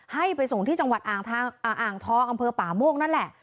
ให้ไปส่งที่จังหวัดอ่างทองอำเภอป่าโมกนั่นแหละ